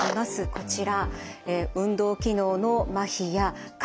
こちら。